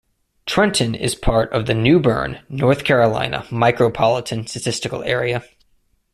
Trenton is part of the New Bern, North Carolina Micropolitan Statistical Area.